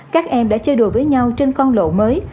các em đã chơi đùa với nhau trên con lộ mới